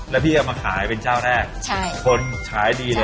แล้วพี่เอามาขายเป็นเจ้าแรกคนขายดีเลย